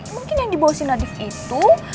mungkin yang dibawa si nadif itu